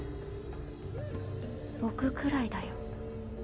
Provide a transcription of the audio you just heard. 僕くらいだよ。